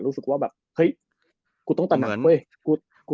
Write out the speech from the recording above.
รู้สึกว่ากูต้องตระหนัก